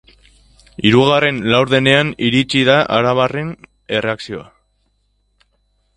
Hirugarren laurdenean iritsi da arabarren erreakzioa.